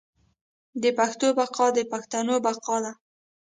د پښتو بقا د پښتنو بقا ده.